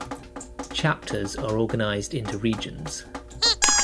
Chapters are organized into regions.